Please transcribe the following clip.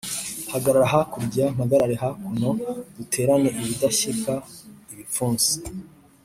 Hagarara hakurya mpagarare hakuno duterane ibidashyika-Ibipfunsi.